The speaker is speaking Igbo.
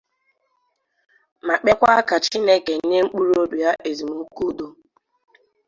ma kpekwa ka ka Chineke nye mkpụrụobi ya ezumike udo.